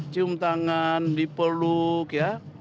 cium tangan dipeluk ya